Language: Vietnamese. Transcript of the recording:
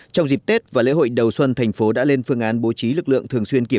trong dịp tết và lễ hội đầu xuân thành phố đã lên phương án bố trí lực lượng thường xuyên kiểm